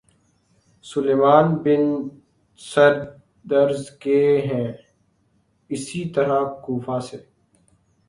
سلیمان بن سرد رض کے ہیں اسی طرح کوفہ سے